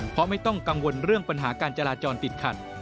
เพราะไม่ต้องกังวลเรื่องปัญหาการจราจรติดขัด